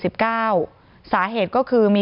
มีปลอบปิดข้อมูล